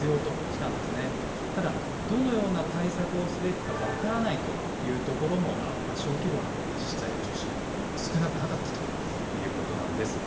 ただ、どのような対策をすべきか分からないという所も、小規模な自治体を中心に、少なくなかったということなんです。